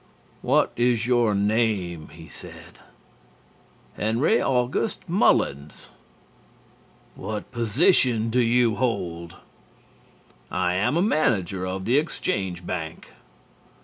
"What is your name?" he said. "Henry August Mullins." "What position do you hold?" "I am manager of the Exchange Bank."